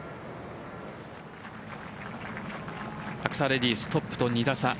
アクサレディストップと２打差。